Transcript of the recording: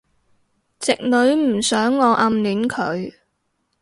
直女唔想我暗戀佢